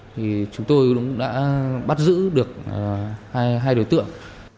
thì chúng tôi cũng đã bắt giữ được hai đối tượng